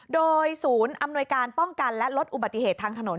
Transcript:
โดยศูนย์อำนวยการป้องกันและลดอุบัติเหตุทางถนน